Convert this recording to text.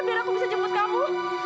biar aku bisa jemus kamu